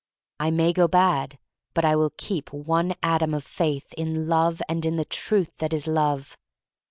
I may go bad, but I will keep one atom of faith in Love and in the Truth that is Love.